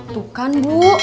tuh kan bu